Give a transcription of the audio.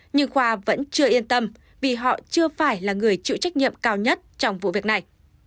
nhưng khoa vẫn chưa yên tâm vì họ chưa phải là người chịu trách nhiệm cao nhất trong vụ việc này